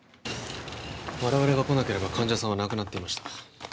我々が来なければ患者さんは亡くなっていました